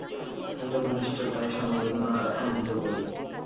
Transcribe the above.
এত ঘনিষ্ঠতায় সমবেদনার আনন্দ কই?